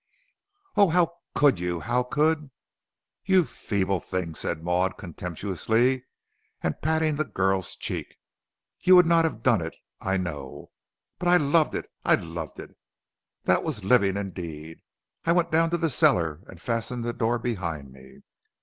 "Oh, how could you how could " "You feeble thing," said Maud, contemptuously, and patting the girl's cheek, "you would not have done it I know. But I loved it I loved it! That was living indeed. I went down to the cellar and fastened the door behind me.